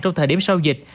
trong thời điểm sau dịch